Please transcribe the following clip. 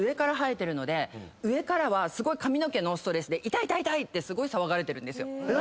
上からはすごい髪の毛のストレスで痛い痛い痛いってすごい騒がれてるんですよ。